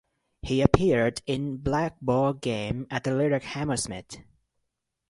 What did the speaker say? He appeared in "Black Ball Game" at the Lyric Hammersmith.